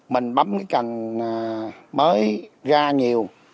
mình bấm cái cành mới ra nhiều